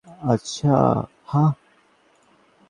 আচ্ছা, হাহ?